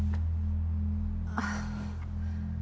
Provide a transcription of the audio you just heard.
あっ。